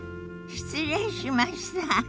失礼しました。